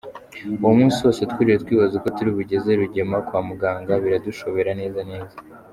Uwo munsi wose twiriwe twibaza uko turibugeze Rugema kwa muganga biradushobera neza neza.